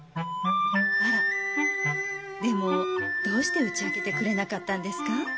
あらでもどうして打ち明けてくれなかったんですか？